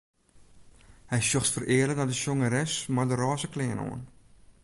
Hy sjocht fereale nei de sjongeres mei de rôze klean oan.